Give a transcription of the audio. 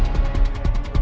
tante itu sudah berubah